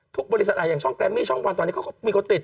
บริษัทอย่างช่องแรมมี่ช่องวันตอนนี้เขาก็มีคนติด